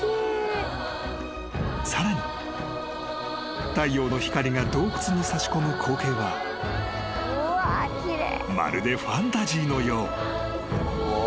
［さらに太陽の光が洞窟に差し込む光景はまるでファンタジーのよう］